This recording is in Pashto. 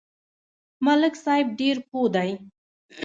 ملک صاحب ډېر پوه دی.